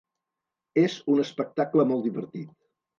És un espectacle molt divertit.